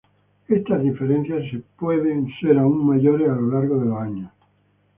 Estas diferencias pueden ser aún mayores a lo largo de los años.